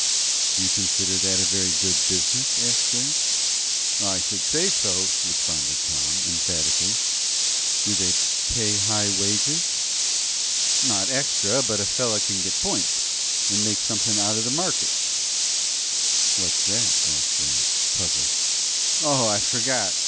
"Do you consider that a very good business?" asked Grant. "I should say so," responded Tom, emphatically. "Do they pay high wages?" "Not extra, but a feller can get points, and make something out of the market." "What's that?" asked Grant, puzzled. "Oh, I forgot.